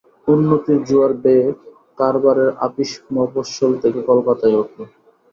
উন্নতির জোয়ার বেয়ে কারবারের আপিস মফস্বল থেকে কলকাতায় উঠল।